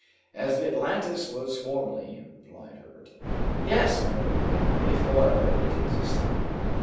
"As the Atlantis was formerly," replied Herbert. "Yes, my boy... if, however, it existed."